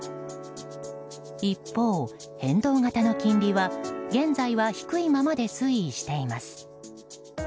一方、変動型の金利は現在は低いままで推移しています。